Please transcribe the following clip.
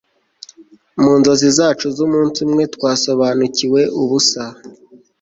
mu nzozi zacu z'umunsi umwe twasobanukiwe ubusa